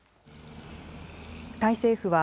タイ政府は、